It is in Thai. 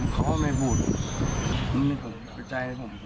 เขาไม่พูดเป็นไปใจเลยค่ะ